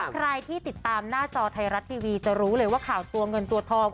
ใครที่ติดตามหน้าจอไทยรัฐทีวีจะรู้เลยว่าข่าวตัวเงินตัวทอง